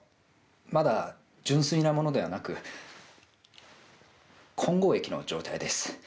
まだ純粋なものではなく混合液の状態です。